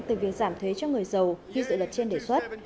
từ việc giảm thuế cho người giàu khi dự luật trên đề xuất